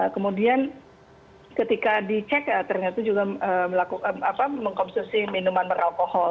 kemudian ketika dicek ternyata juga mengkonsumsi minuman beralkohol